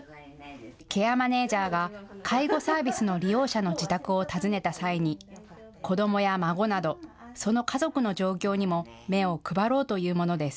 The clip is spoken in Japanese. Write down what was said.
ケアマネージャーが介護サービスの利用者の自宅を訪ねた際に子どもや孫などその家族の状況にも目を配ろうというものです。